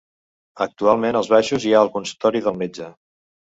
Actualment als baixos hi ha el consultori del metge.